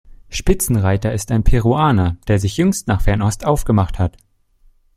Spitzenreiter ist ein Peruaner, der sich jüngst nach Fernost aufgemacht hat.